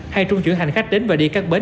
hay trung chuyển hành khách đến và đi các bến